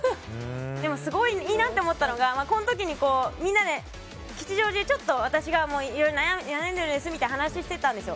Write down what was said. すごいいいなって思ったのがみんなで吉祥寺で、私がいろいろ悩んでるんですみたいな話をしてたんですよ。